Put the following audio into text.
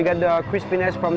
ini adalah rasanya manis dan lembut